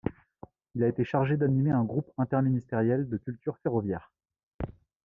Il a été chargé d’animer un groupe interministériel de culture ferroviaire.